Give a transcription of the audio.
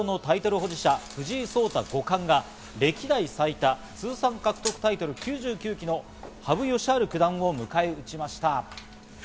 保持者・藤井聡太五冠が歴代最多通算獲得タイトル９９期の羽生善治九段を迎え打ちました。